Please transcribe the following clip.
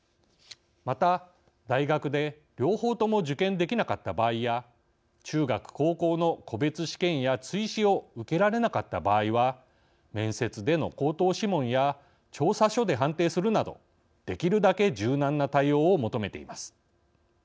また大学で両方とも受験できなかった場合や中学・高校の個別試験や追試を受けられなかった場合は面接での口頭試問や調査書で判定するなどできるだけ柔軟な対応を求めています。